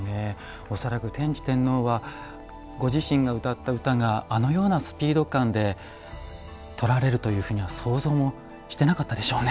恐らく天智天皇はご自身が歌った歌があのようなスピード感で取られるというふうには想像もしてなかったでしょうね。